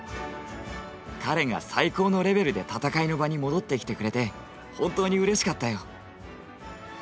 彼が最高のレベルで戦いの場に戻ってきてくれて本当にうれしかったよ。